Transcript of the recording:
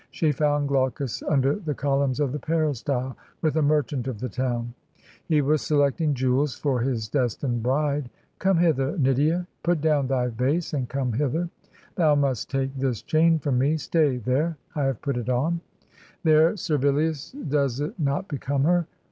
. she found Glaucus under the columns of the peristyle, with a merchant of the town; he was selecting jewels for his destined bride. ... 'Come hither, Nydia; put down thy vase and come hither. Thou must take this chain from me — ^stay — ^there, I have put it on. There, Servillius, does it not become her?'